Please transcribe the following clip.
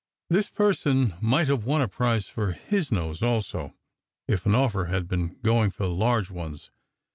This person might have won a prize for his nose also, if an offer had been going for large ones.